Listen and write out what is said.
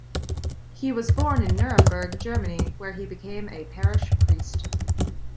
He was born in Nuremberg, Germany, where he became a parish priest.